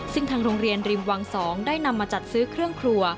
ซึ่งทางโรงเรียนริมวัง๒ได้นำมาจัดซื้อเครื่องครัว